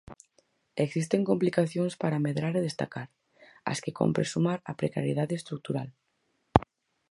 Existen complicacións para medrar e destacar, ás que cómpre sumar a precariedade estrutural.